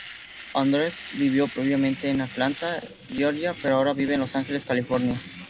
Andrews vivió previamente en Atlanta, Georgia, pero ahora vive en Los Ángeles, California.